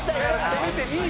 せめて２位。